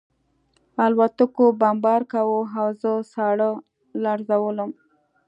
الوتکو بمبار کاوه او زه ساړه لړزولم